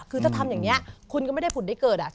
คือถ้าทำอย่างนี้คุณก็ไม่ได้ฝุ่นได้เกิด